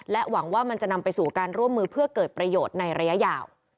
หวังว่ามันจะนำไปสู่การร่วมมือเพื่อเกิดประโยชน์ในระยะยาว